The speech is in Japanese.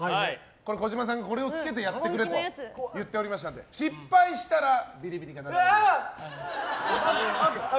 児嶋さんがこれを着けてやってくれと言っていましたので失敗したらビリビリが流れます。